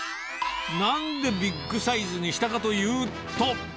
なんでビッグサイズにしたかというと。